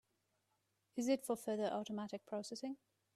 Is it for further automatic processing?